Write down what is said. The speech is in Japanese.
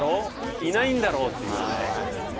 「いないんだろ？」っていうあれ。